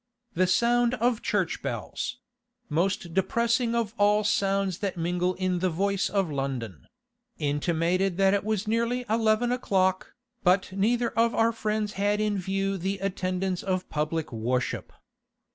The sound of church bells—most depressing of all sounds that mingle in the voice of London—intimated that it was nearly eleven o'clock, but neither of our friends had in view the attendance of public worship.